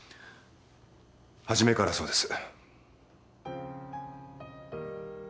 初めからそうです。